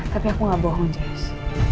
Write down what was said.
tapi aku gak bohong jess